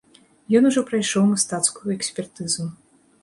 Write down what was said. Ён ужо прайшоў мастацкую экспертызу.